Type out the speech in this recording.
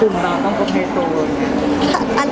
คุณเราต้องเข้าไปตัวเอง